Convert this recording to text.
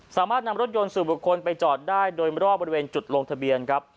สามารถนำรถยนต์สู่บุคคลไปจอดได้โดยรอบบริเวณจุดลงทะเบียนครับ